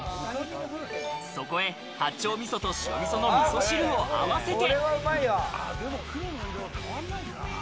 そこへ八丁味噌と白味噌の味噌汁を合わせて。